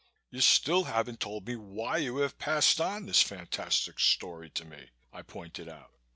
"You still haven't told me why you have passed on this fantastic story to me," I pointed out.